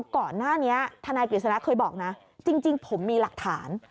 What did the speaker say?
ก่อนหน้านี้ธนายกฤษณะเคยบอกนะจริงผมมีหลักฐาน